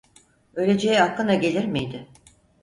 Öleceği aklına gelir miydi?